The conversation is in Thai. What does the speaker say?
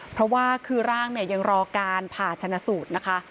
เพราะว่าคือร่างเนี่ยยังรอการผ่าชนะสูตรนะคะ